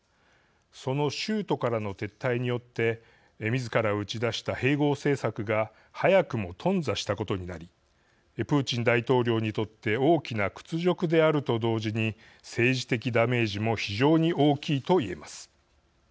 その州都からの撤退によってみずから打ち出した併合政策が早くも頓挫したことになりプーチン大統領にとって大きな屈辱であると同時に政治的ダメージも非常に大きいと言えます。